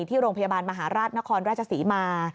ที่โรงพยาบาลมหาราชนครราชศรีมา